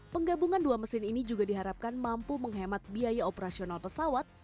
penggabungan dua mesin ini juga diharapkan mampu menghemat biaya operasional pesawat